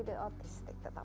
saya merasa takut karena